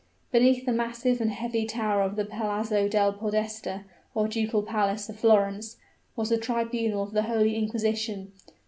Beneath the massive and heavy tower of the Palazzo del Podesta, or Ducal Palace of Florence, was the tribunal of the holy inquisition.